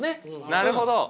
なるほど！